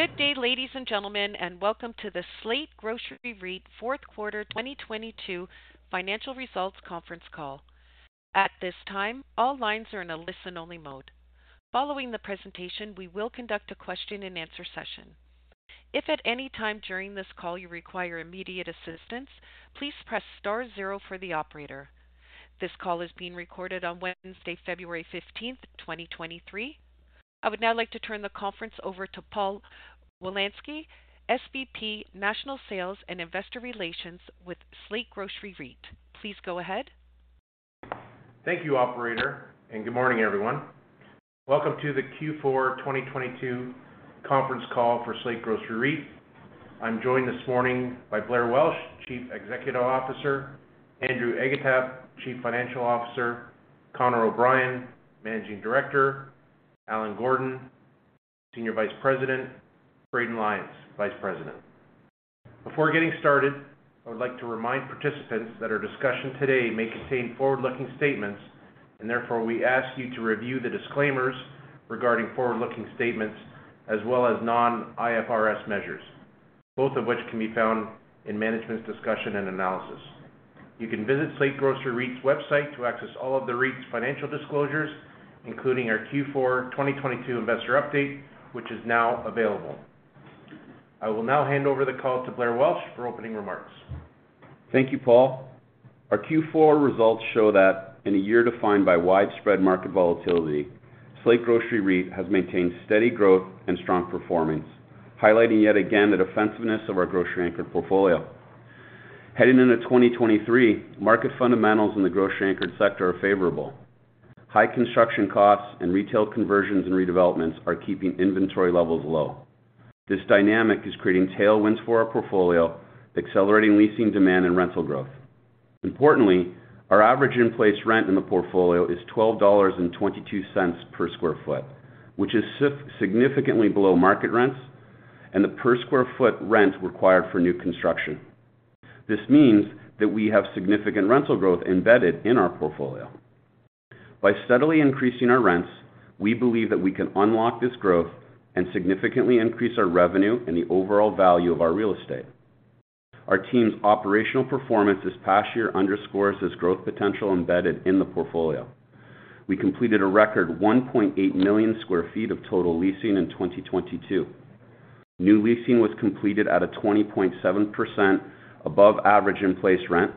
Good day, ladies and gentlemen, and welcome to the Slate Grocery REIT Fourth Quarter 2022 financial results conference call. At this time, all lines are in a listen-only mode. Following the presentation, we will conduct a question-and-answer session. If at any time during this call you require immediate assistance, please press star zero for the operator. This call is being recorded on Wednesday, February 15th, 2023. I would now like to turn the conference over to Paul Wolanski, SVP, National Sales and Investor Relations with Slate Grocery REIT. Please go ahead. Thank you, operator, and good morning, everyone. Welcome to the Q4 2022 conference call for Slate Grocery REIT. I'm joined this morning by Blair Welch, Chief Executive Officer; Andrew Agatep, Chief Financial Officer; Connor O'Brien, Managing Director; Allen Gordon, Senior Vice President; Braden Lyons, Vice President. Before getting started, I would like to remind participants that our discussion today may contain forward-looking statements, and therefore we ask you to review the disclaimers regarding forward-looking statements as well as non-IFRS measures, both of which can be found in management's discussion and analysis. You can visit Slate Grocery REIT's website to access all of the REIT's financial disclosures, including our Q4 2022 investor update, which is now available. I will now hand over the call to Blair Welch for opening remarks. Thank you, Paul. Our Q4 results show that in a year defined by widespread market volatility, Slate Grocery REIT has maintained steady growth and strong performance, highlighting yet again the defensiveness of our grocery-anchored portfolio. Heading into 2023, market fundamentals in the grocery-anchored sector are favorable. High construction costs and retail conversions and redevelopments are keeping inventory levels low. This dynamic is creating tailwinds for our portfolio, accelerating leasing demand and rental growth. Importantly, our average in-place rent in the portfolio is $12.22 per sq ft, which is significantly below market rents and the per sq ft rent required for new construction. This means that we have significant rental growth embedded in our portfolio. By steadily increasing our rents, we believe that we can unlock this growth and significantly increase our revenue and the overall value of our real estate. Our team's operational performance this past year underscores this growth potential embedded in the portfolio. We completed a record 1.8 million sq ft of total leasing in 2022. New leasing was completed at a 20.7% above average in-place rent,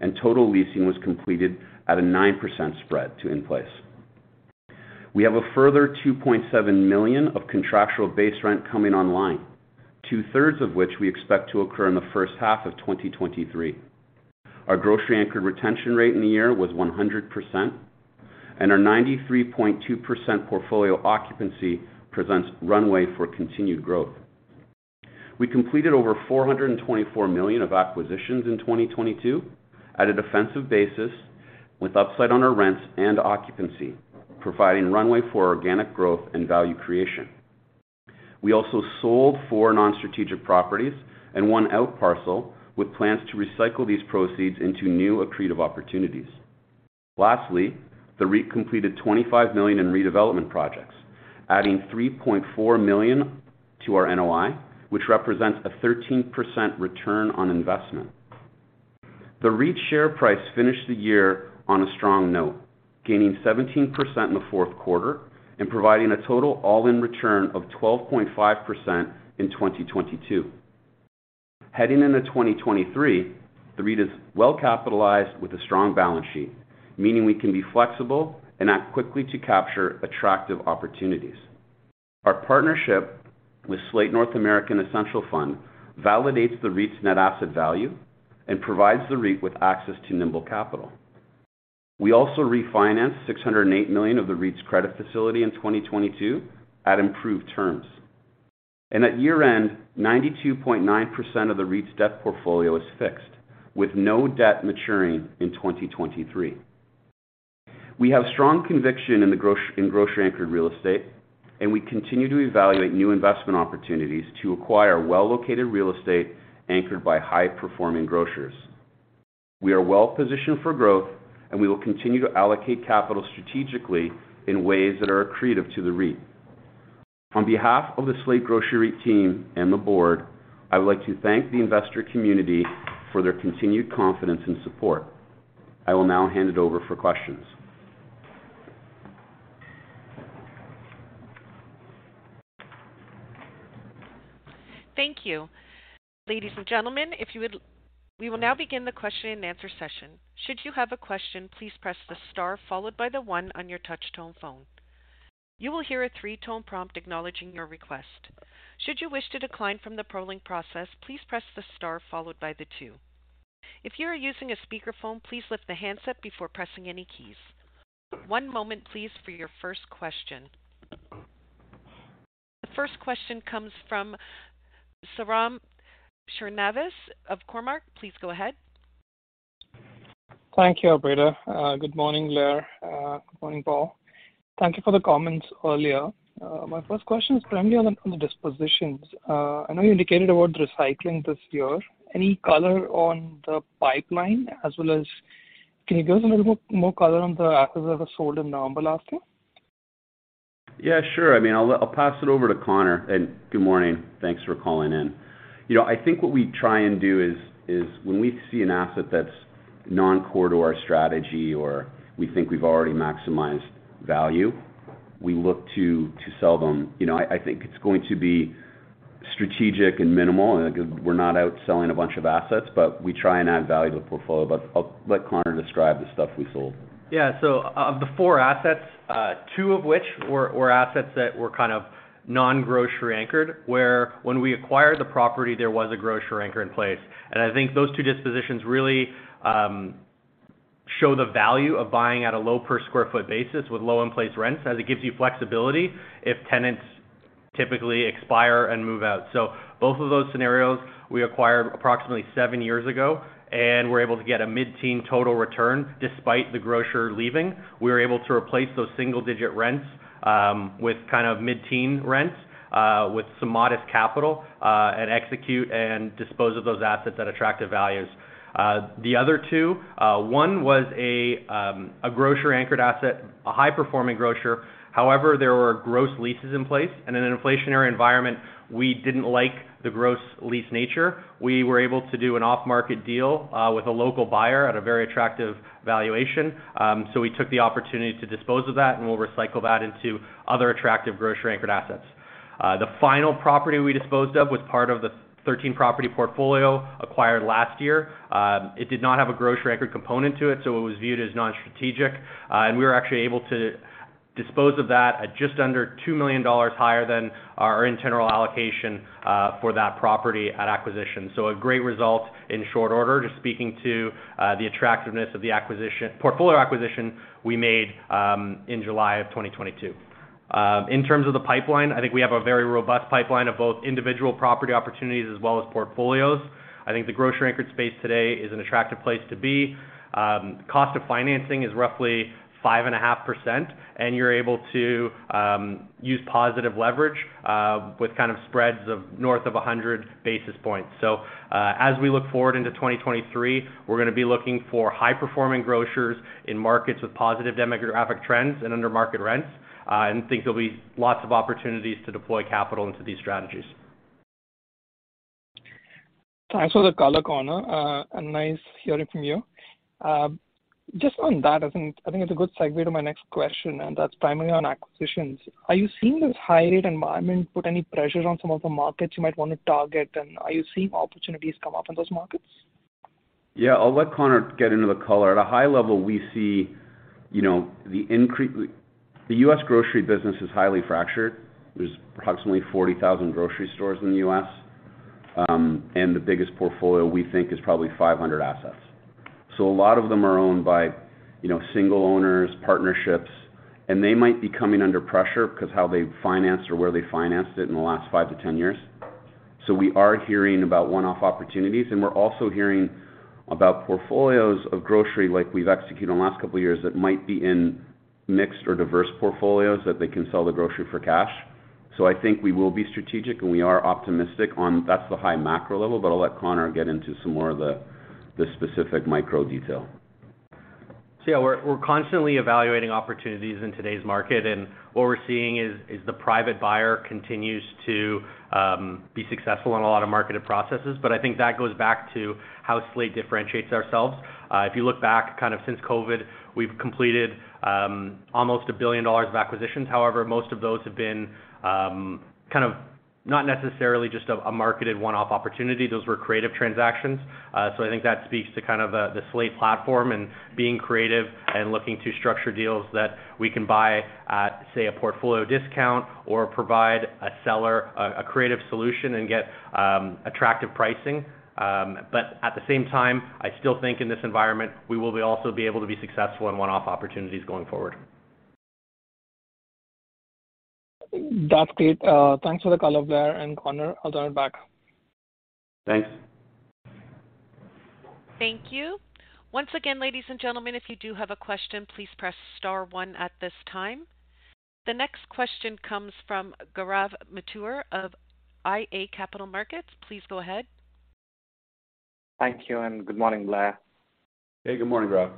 and total leasing was completed at a 9% spread to in-place. We have a further $2.7 million of contractual base rent coming online, two-thirds of which we expect to occur in the first half of 2023. Our grocery anchored retention rate in the year was 100%, and our 93.2% portfolio occupancy presents runway for continued growth. We completed over $424 million of acquisitions in 2022 at a defensive basis with upside on our rents and occupancy, providing runway for organic growth and value creation. We also sold four non-strategic properties and one out parcel with plans to recycle these proceeds into new accretive opportunities. Lastly, the REIT completed $25 million in redevelopment projects, adding $3.4 million to our NOI, which represents a 13% return on investment. The REIT share price finished the year on a strong note, gaining 17% in the fourth quarter and providing a total all-in return of 12.5% in 2022. Heading into 2023, the REIT is well capitalized with a strong balance sheet, meaning we can be flexible and act quickly to capture attractive opportunities. Our partnership with Slate North American Essential Fund validates the REIT's net asset value and provides the REIT with access to nimble capital. We also refinanced $608 million of the REIT's credit facility in 2022 at improved terms. At year-end, 92.9% of the REIT's debt portfolio is fixed, with no debt maturing in 2023. We have strong conviction in grocery anchored real estate, and we continue to evaluate new investment opportunities to acquire well-located real estate anchored by high-performing grocers. We are well positioned for growth, and we will continue to allocate capital strategically in ways that are accretive to the REIT. On behalf of the Slate Grocery REIT team and the board, I would like to thank the investor community for their continued confidence and support. I will now hand it over for questions. Thank you. Ladies and gentlemen, if you would. We will now begin the question-and-answer session. Should you have a question, please press the star followed by the one on your touch tone phone. You will hear a three-tone prompt acknowledging your request. Should you wish to decline from the polling process, please press the star followed by the two. If you are using a speakerphone, please lift the handset before pressing any keys. One moment please for your first question. The first question comes from Sairam Srinivas of Cormark. Please go ahead. Thank you, operator. Good morning, Blair. Good morning, Paul. Thank you for the comments earlier. My first question is primarily on the dispositions. I know you indicated about recycling this year. Any color on the pipeline as well as. Can you give us a little more color on the assets that were sold in November last year? Yeah, sure. I mean, I'll pass it over to Connor. Good morning. Thanks for calling in. You know, I think what we try and do is when we see an asset that's non-core to our strategy or we think we've already maximized value, we look to sell them. You know, I think it's going to be strategic and minimal. We're not out selling a bunch of assets, but we try and add value to the portfolio. I'll let Connor describe the stuff we sold. Yeah. So of the four assets, two of which were assets that were kind of non-grocery anchored, where when we acquired the property, there was a grocery anchor in place. I think those two dispositions really show the value of buying at a low per square foot basis with low in-place rents, as it gives you flexibility if tenants typically expire and move out. Both of those scenarios we acquired approximately seven years ago and were able to get a mid-teen total return. Despite the grocer leaving, we were able to replace those single digit rents with kind of mid-teen rents, with some modest capital, and execute and dispose of those assets at attractive values. The other two, one was a grocery anchored asset, a high performing grocer. There were gross leases in place, and in an inflationary environment, we didn't like the gross lease nature. We were able to do an off-market deal with a local buyer at a very attractive valuation. We took the opportunity to dispose of that, and we'll recycle that into other attractive grocery anchored assets. The final property we disposed of was part of the 13 property portfolio acquired last year. It did not have a grocery anchored component to it was viewed as non-strategic. We were actually able to dispose of that at just under $2 million higher than our internal allocation for that property at acquisition. A great result in short order, just speaking to the attractiveness of the portfolio acquisition we made in July of 2022. In terms of the pipeline, I think we have a very robust pipeline of both individual property opportunities as well as portfolios. I think the grocery-anchored space today is an attractive place to be. Cost of financing is roughly 5.5%, and you're able to use positive leverage with kind of spreads of north of 100 basis points. As we look forward into 2023, we're gonna be looking for high-performing grocers in markets with positive demographic trends and under-market rents, and think there'll be lots of opportunities to deploy capital into these strategies. Thanks for the color, Connor. Nice hearing from you. Just on that, I think it's a good segue to my next question. That's primarily on acquisitions. Are you seeing this high rate environment put any pressure on some of the markets you might wanna target? Are you seeing opportunities come up in those markets? Yeah, I'll let Connor get into the color. At a high level, we see, you know, the US grocery business is highly fractured. There's approximately 40,000 grocery stores in the U.S. And the biggest portfolio we think is probably 500 assets. A lot of them are owned by, you know, single owners, partnerships, and they might be coming under pressure because how they financed or where they financed it in the last five-10 years. We are hearing about one-off opportunities, and we're also hearing about portfolios of grocery, like we've executed in the last couple of years, that might be in mixed or diverse portfolios that they can sell the grocery for cash. I think we will be strategic, and we are optimistic on that's the high macro level, but I'll let Connor get into some more of the specific micro detail. We're constantly evaluating opportunities in today's market, and what we're seeing is the private buyer continues to be successful in a lot of marketed processes. I think that goes back to how Slate differentiates ourselves. If you look back kind of since COVID, we've completed almost $1 billion of acquisitions. Most of those have been kind of not necessarily just a marketed one-off opportunity. Those were creative transactions. I think that speaks to kind of the Slate platform and being creative and looking to structure deals that we can buy at, say, a portfolio discount or provide a seller a creative solution and get attractive pricing. At the same time, I still think in this environment we will also be able to be successful in one-off opportunities going forward. That's great. Thanks for the color, Blair and Connor. I'll turn it back. Thanks. Thank you. Once again, ladies and gentlemen, if you do have a question, please press star one at this time. The next question comes from Gaurav Mathur of iA Capital Markets. Please go ahead. Thank you, good morning, Blair. Hey, good morning, Gaurav.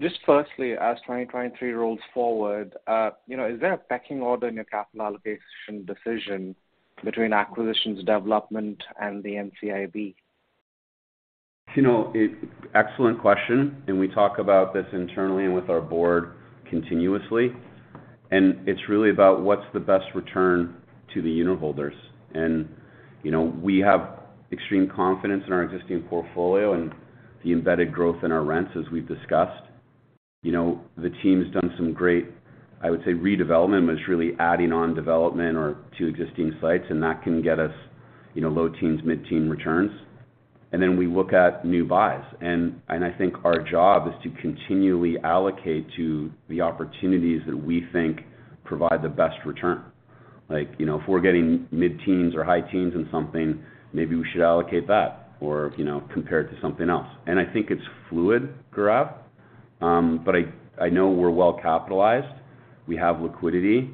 just firstly, as 2023 rolls forward, you know, is there a pecking order in your capital allocation decision between acquisitions, development, and the NCIB? You know, excellent question, and we talk about this internally and with our board continuously, and it's really about what's the best return to the uniholders. You know, we have extreme confidence in our existing portfolio and the embedded growth in our rents, as we've discussed. You know, the team's done some great, I would say, redevelopment, but it's really adding on development or to existing sites, and that can get us, you know, low teens, mid-teen returns. Then we look at new buys. I think our job is to continually allocate to the opportunities that we think provide the best return. Like, you know, if we're getting mid-teens or high teens in something, maybe we should allocate that or, you know, compare it to something else. I think it's fluid, Gaurav. But I know we're well capitalized. We have liquidity,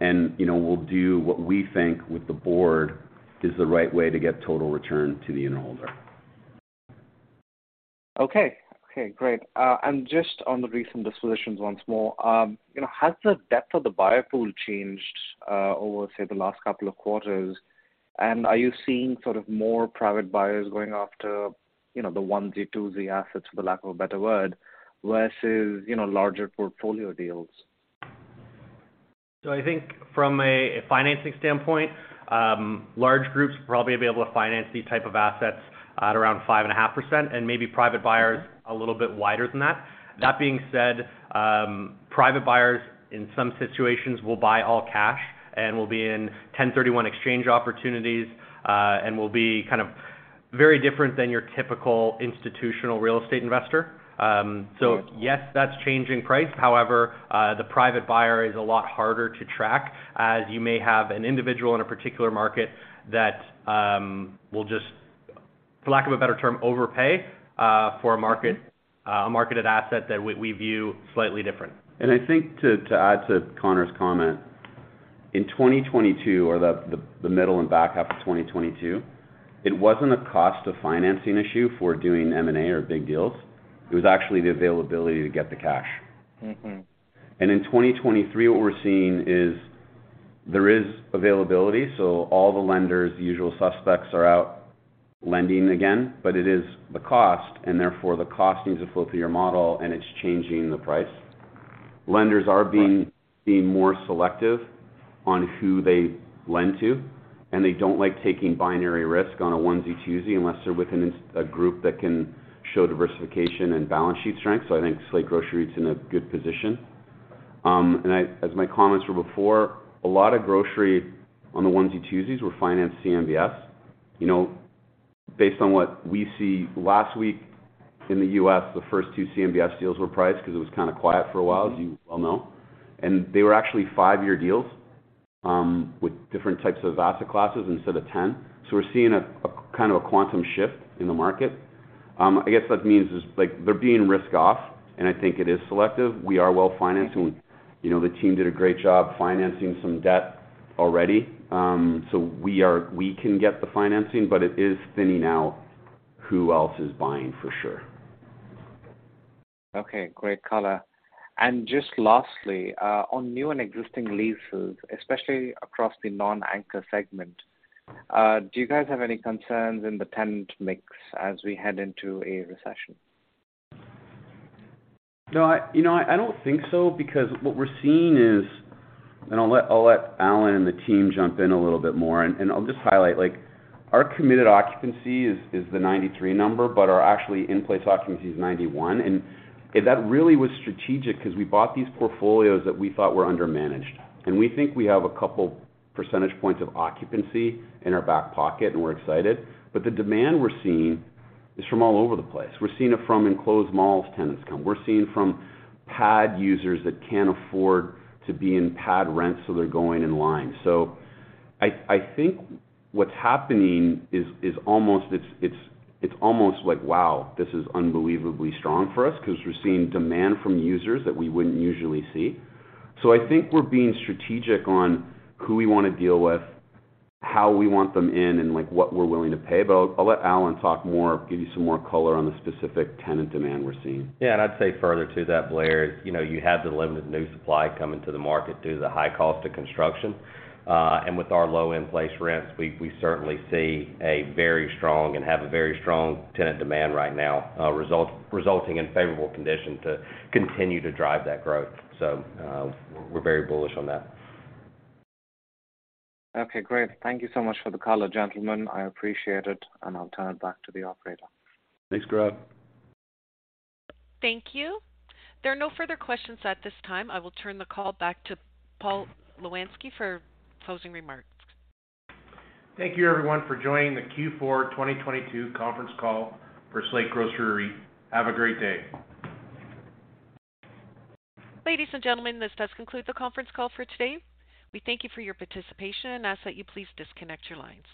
and, you know, we'll do what we think with the board is the right way to get total return to the shareholder. Okay. Okay, great. Just on the recent dispositions once more, has the depth of the buyer pool changed over, say, the last couple of quarters? Are you seeing sort of more private buyers going after the onesie-twosie assets, for lack of a better word, versus larger portfolio deals? I think from a financing standpoint, large groups will probably be able to finance these type of assets at around 5.5%, and maybe private buyers a little bit wider than that. That being said, private buyers, in some situations, will buy all cash and will be in 1031 exchange opportunities, and will be kind of very different than your typical institutional real estate investor. Yes, that's changing price. However, the private buyer is a lot harder to track as you may have an individual in a particular market that will just, for lack of a better term, overpay for a marketed asset that we view slightly different. I think to add to Connor's comment, in 2022 or the middle and back half of 2022, it wasn't a cost of financing issue for doing M&A or big deals, it was actually the availability to get the cash. Mm-hmm. In 2023, what we're seeing is there is availability, so all the lenders, the usual suspects are out lending again. It is the cost, and therefore, the cost needs to flow through your model, and it's changing the price. Lenders are being more selective on who they lend to, and they don't like taking binary risk on a onesie-twosie, unless they're with a group that can show diversification and balance sheet strength. I think Slate Grocery is in a good position. As my comments were before, a lot of grocery on the onesie-twosies were financed CMBS. You know, based on what we see last week in the U.S., the first two CMBS deals were priced 'cause it was kind of quiet for a while, as you well know. They were actually five-year deals with different types of asset classes instead of 10. We're seeing a kind of a quantum shift in the market. I guess that means is, like they're being risked off, and I think it is selective. We are well-financing. You know, the team did a great job financing some debt already. We can get the financing, but it is thinning out who else is buying for sure. Okay. Great color. Just lastly, on new and existing leases, especially across the non-anchor segment, do you guys have any concerns in the tenant mix as we head into a recession? No. You know, I don't think so because what we're seeing is. I'll let Allen and the team jump in a little bit more. I'll just highlight, like our committed occupancy is the 93 number, but our actually in-place occupancy is 91. That really was strategic 'cause we bought these portfolios that we thought were under-managed. We think we have a couple percentage points of occupancy in our back pocket, and we're excited. The demand we're seeing is from all over the place. We're seeing it from enclosed malls tenants come. We're seeing from pad users that can't afford to be in pad rent, so they're going in line. I think what's happening is almost it's almost like, wow, this is unbelievably strong for us 'cause we're seeing demand from users that we wouldn't usually see. I think we're being strategic on who we wanna deal with, how we want them in, and like what we're willing to pay. I'll let Allen talk more, give you some more color on the specific tenant demand we're seeing. Yeah. I'd say further to that, Blair, you know, you have the limited new supply coming to the market due to the high cost of construction. With our low in-place rents, we certainly see a very strong and have a very strong tenant demand right now, resulting in favorable condition to continue to drive that growth. We're very bullish on that. Okay, great. Thank you so much for the color, gentlemen. I appreciate it, and I'll turn it back to the operator. Thanks, Gaurav. Thank you. There are no further questions at this time. I will turn the call back to Paul Wolanski for closing remarks. Thank you everyone for joining the Q4 to 2022 conference call for Slate Grocery. Have a great day. Ladies and gentlemen, this does conclude the conference call for today. We thank you for your participation and ask that you please disconnect your lines.